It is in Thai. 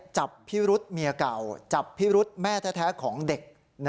จับพิรุษเมียเก่าจับพิรุษแม่แท้ของเด็ก